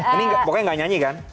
ini pokoknya nggak nyanyi kan